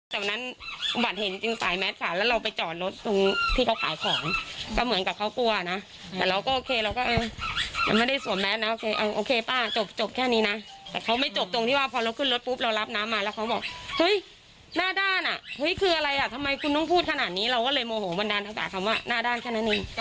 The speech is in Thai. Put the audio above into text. แต่วันนั้นอุบัติเหตุจริงสายแมทค่ะแล้วเราไปจอดรถตรงที่เขาขายของก็เหมือนกับเขากลัวนะแต่เราก็โอเคเราก็ยังไม่ได้สวมแมสนะโอเคป้าจบแค่นี้นะแต่เขาไม่จบตรงที่ว่าพอเราขึ้นรถปุ๊บเรารับน้ำมาแล้วเขาบอกเฮ้ยหน้าด้านอ่ะเฮ้ยคืออะไรอ่ะทำไมคุณต้องพูดขนาดนี้เราก็เลยโมโหบันดาลทักษะคำว่าหน้าด้านแค่นั้นเอง